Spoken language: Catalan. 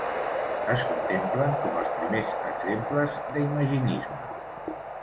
Es contemplen com els primers exemples de Imaginisme